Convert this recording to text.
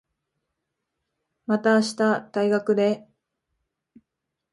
また明日、大学で。